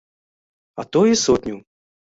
А то і сотню.